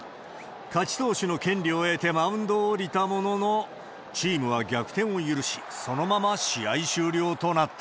勝ち投手の権利を得てマウンドを降りたものの、チームは逆転を許し、そのまま試合終了となった。